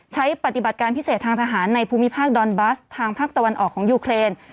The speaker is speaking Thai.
ปฏิบัติการพิเศษทางทหารในภูมิภาคดอนบัสทางภาคตะวันออกของยูเครน